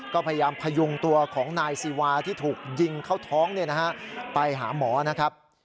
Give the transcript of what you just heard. ก็พยายามพยุงตัวของนายซีวาที่ถูกยิงเข้าท้องไปหาหมอนะครับ